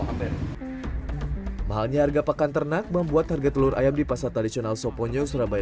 amber mahalnya harga pakan ternak membuat harga telur ayam di pasar tradisional soponyo surabaya